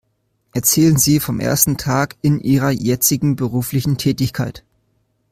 Erzählen Sie vom ersten Tag in ihrer jetzigen beruflichen Tätigkeit.